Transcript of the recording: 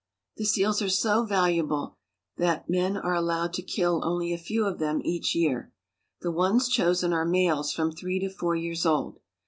The seals are so valuable that men are allowed to kill only a few of them each year. The ones chosen are males from three to four years old.